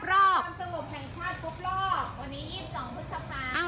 ประชาธิปัตธิปัตธิ์พบรอบวันนี้๒๒พฤษภาค